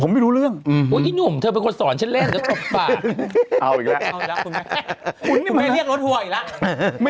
ผมไม่รู้เรื่องุ้ยที่หนุ่มเธอมากดสอนฉันเล่นเหลือบปลับ